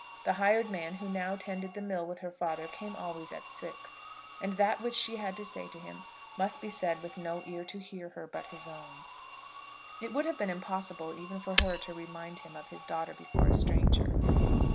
The hired man who now tended the mill with her father came always at six, and that which she had to say to him must be said with no ear to hear her but his own. It would have been impossible even for her to remind him of his daughter before a stranger.